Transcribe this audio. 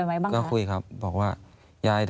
อันดับ๖๓๕จัดใช้วิจิตร